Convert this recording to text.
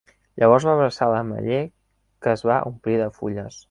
Llavors va abraçar l'ametller que es va omplir de fulles.